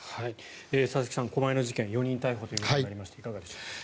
佐々木さん、狛江の事件４人逮捕ということになりましたいかがでしょう。